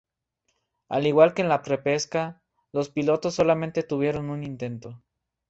Al igual que en la repesca, los pilotos solamente tuvieron un intento.